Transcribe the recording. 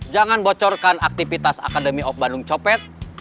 jangan bocorkan aktivitas akademi of bandung copet